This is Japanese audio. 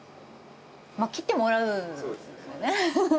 まあ切ってもらうんですもんね